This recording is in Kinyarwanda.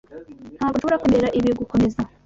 Ntabwo nshobora kwemerera ibi gukomeza.